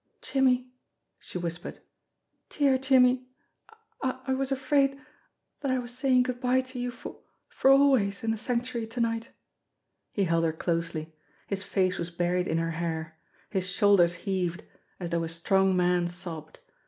"Jimmie," she whispered, "dear Jimmie, I I was afraid that I was saying good by to you for for always in the Sanctuary to night." He held her closely. His face was buried in her hair. His shoulders heaved as though a strong man sobbed.